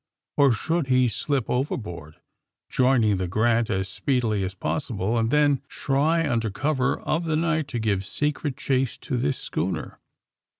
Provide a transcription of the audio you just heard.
Or should he slip overboard, joining the ^' Grant" as speedily as possible, and then try, under cover of the night, to give secret chase to this schooner!